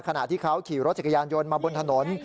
ขณะที่เขาขี่รถจักรยานยนต์มาบนถนน